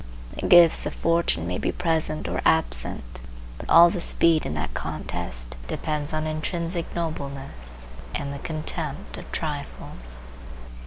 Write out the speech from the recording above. The gifts of fortune may be present or absent, but all the speed in that contest depends on intrinsic nobleness and the contempt of trifles.